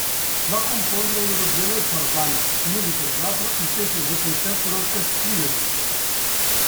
Va compondre una dotzena de sardanes, música ballable i peces de concert per a orquestrina.